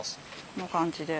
この感じで？